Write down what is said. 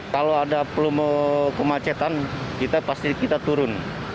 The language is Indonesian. kalau ada kemacetan kita pasti kita turun